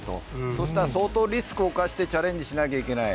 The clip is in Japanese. そうしたら、相当リスクを冒してチャレンジしないといけない。